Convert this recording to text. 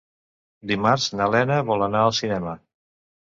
Dimarts na Lena vol anar al cinema.